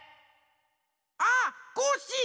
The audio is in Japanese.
あっコッシー！